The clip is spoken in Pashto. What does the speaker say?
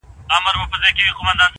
پاچهي د ځناورو وه په غرو کي.!